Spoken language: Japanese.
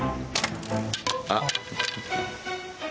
あっ。